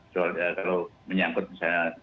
soalnya kalau menyangkut misalnya